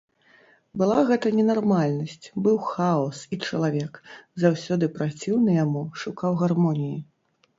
Была гэта ненармальнасць, быў хаос, і чалавек, заўсёды праціўны яму, шукаў гармоніі.